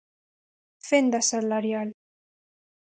Fenda salarial.